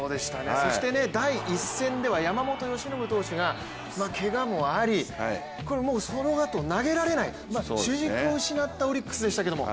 そして第１戦では山本由伸投手が、けがもありこれ、そのあと投げられない主軸を失ったオリックスでしたけども。